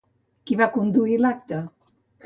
Qui va conduir l'acte?